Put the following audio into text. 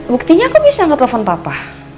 buktinya aku bisa nge telepon papa